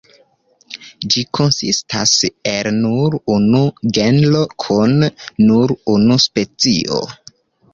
Ĝi konsistas el nur unu genro kun nur unu specio.